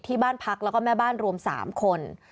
ที่บ้านพักแล้วก็แม่บ้านรวม๓คน